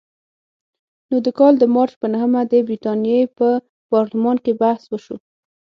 نو د کال د مارچ په نهمه د برتانیې په پارلمان کې بحث وشو.